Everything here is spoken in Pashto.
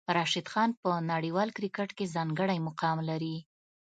راشد خان په نړیوال کرکټ کې ځانګړی مقام لري.